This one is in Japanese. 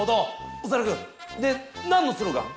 オサダくんで何のスローガン？